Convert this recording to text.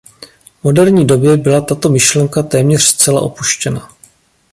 V moderní době byla tato myšlenka téměř zcela opuštěna.